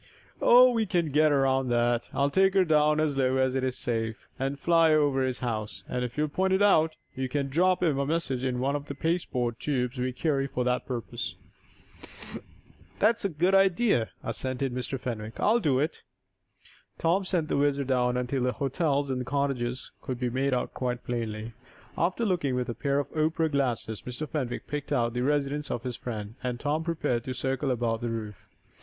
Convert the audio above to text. "Oh, we can get around that. I'll take her down as low as is safe, and fly over his house, if you'll point it out, and you can drop him a message in one of the pasteboard tubes we carry for that purpose." "That's a good idea," assented Mr. Fenwick. "I'll do it." Tom sent the WHIZZER down until the hotels and cottages could be made out quite plainly. After looking with a pair of opera glasses, Mr. Fenwick picked out the residence of his friend, and Tom prepared to circle about the roof.